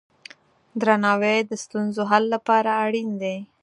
درناوی د ستونزو حل لپاره اړین دی.